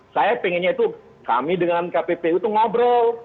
saya pengennya itu kami dengan kppu itu ngobrol